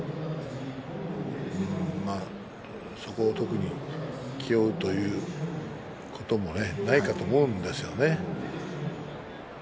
そこを特に気負うということもないと思うんですよね。